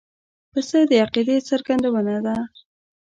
پسه د عقیدې څرګندونه ده.